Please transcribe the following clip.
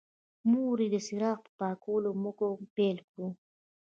مور یې د څراغ په پاکولو او موږلو پیل وکړ.